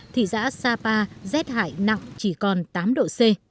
thị xã sapa rét hại nặng chỉ còn tám độ c